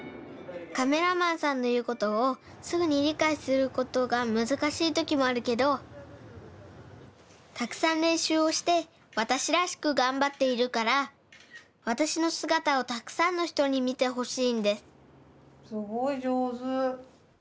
カメラマンさんのいうことをすぐにりかいすることがむずかしいときもあるけどたくさんれんしゅうをしてわたしらしくがんばっているからわたしのすがたをたくさんのひとにみてほしいんですすごいじょうず！